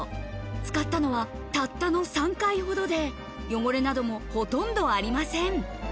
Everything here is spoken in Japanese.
使ったのはたったの３回ほどで、汚れなどもほとんどありません。